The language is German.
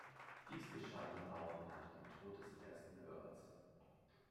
Dies geschah dann auch nach dem Tode des ersten Earls.